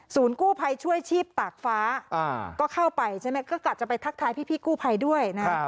กู้ภัยช่วยชีพตากฟ้าก็เข้าไปใช่ไหมก็กะจะไปทักทายพี่กู้ภัยด้วยนะฮะ